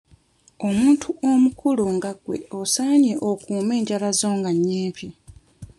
Omuntu omukulu nga gwe osaanye okuume enjala zo nga nnyimpi.